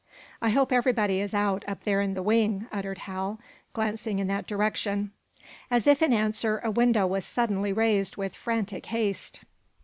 "I hope everybody is out, up there in the wing," uttered Hal, glancing in that direction. As if in answer a window was suddenly raised with frantic haste.